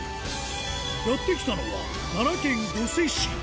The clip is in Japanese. やって来たのは、奈良県御所市。